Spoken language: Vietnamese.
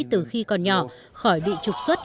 từ khi còn nhỏ khỏi bị trục xuất